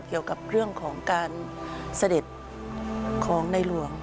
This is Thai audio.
เกี่ยวกับเรื่องของการเสด็จของในหลวง